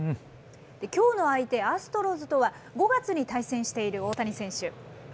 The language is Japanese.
きょうの相手、アストロズとは、５月に対戦している大谷選手。